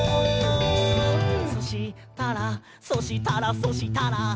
「そしたら、そしたら、そしたら」